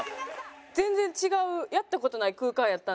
全然違うやった事ない空間やったんで。